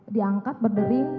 di angkat berdering